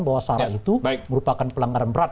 bahwa sara itu merupakan pelenggaran berat